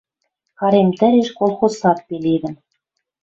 Карем тӹреш колхоз сад пеледӹн